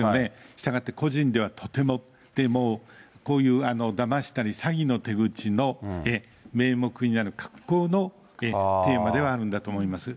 したがって個人ではとても、もう、こういうだましたり、詐欺の手口の名目になるかっこうのテーマではあるんだと思います。